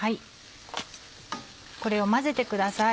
これを混ぜてください。